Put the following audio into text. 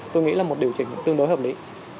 tôi nghĩ là một điều chỉnh tương đối hợp lý